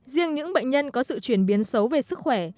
riêng những bệnh nhân có sự chuyển biến xấu về sức khỏe